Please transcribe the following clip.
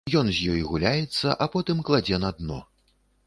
Ён з ёй гуляецца, а потым кладзе на дно.